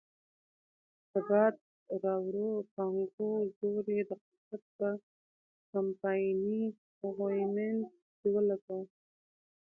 د باد راوړو پانګو زور یې د قدرت په کمپایني غویمنډ کې ولګاوه.